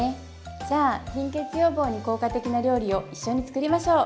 じゃあ貧血予防に効果的な料理を一緒に作りましょう。